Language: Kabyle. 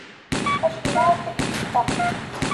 Acemma ur t-id-keccfeɣ.